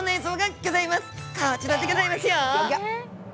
こちらでギョざいますよ。